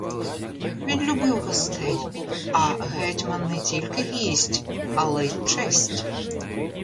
Він любив гостей, а гетьман не тільки гість, але й честь.